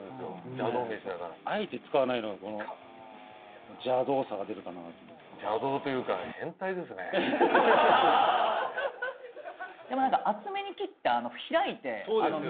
邪道メシだからあえて使わないのがこの邪道さが出るかなと思って邪道というか変態ですねでもなんか厚めに切って開いてそうですよね